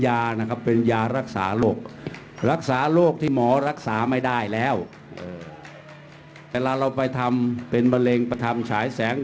อย่าปิดกล้างฟัง